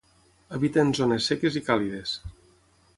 Habita en zones seques i càlides.